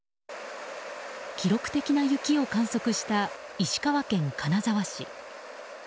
記録的な雪を観測した石川県金沢市。